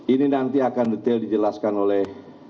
ini nanti akan detail dijelaskan oleh